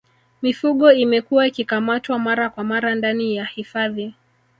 mifugo imekuwa ikikamatwa mara kwa mara ndani ya hifadhi